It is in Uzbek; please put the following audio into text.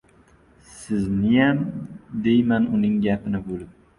— Sizniyam, — deyman uning gapini bo‘lib.